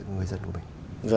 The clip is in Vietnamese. người dân của mình